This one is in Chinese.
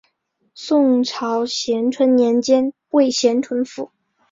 宋朝咸淳年间为咸淳府。